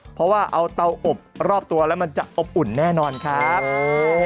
เพราะว่าเอาเตาอบรอบตัวแล้วมันจะอบอุ่นแน่นอนครับ